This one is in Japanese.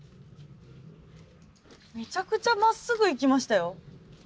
めちゃくちゃまっすぐ行きましたよ。